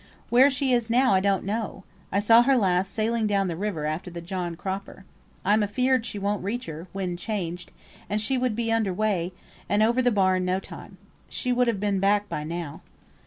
"Where she is now, I don't know. I saw her last sailing down the river after the John Cropper. I'm afeared she won't reach her; wind changed and she would be under weigh, and over the bar in no time. She should have been back by now."